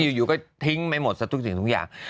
อยู่อยู่ก็ทิ้งไปหมดแล้วทุกอย่าง